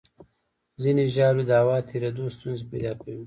ځینې ژاولې د هوا تېرېدو ستونزې پیدا کوي.